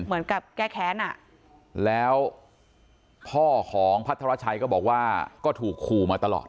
เหมือนกับแก้แค้นอ่ะแล้วพ่อของพัทรชัยก็บอกว่าก็ถูกขู่มาตลอด